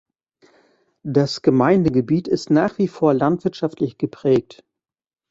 Das Gemeindegebiet ist nach wie vor landwirtschaftlich geprägt.